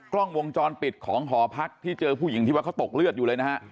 กล้องวงจรปิดของหอพักที่เจอผู้หญิงที่ว่าเขาตกเลือดอยู่เลยนะฮะ